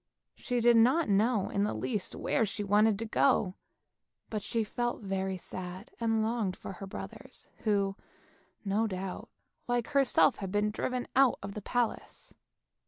She did not know in the least where she wanted to go, but she felt very sad, and longed for her brothers, who, no doubt, like herself had been driven out of the palace.